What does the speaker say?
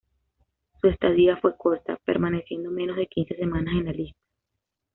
Su estadía fue corta, permaneciendo menos de quince semanas en las listas.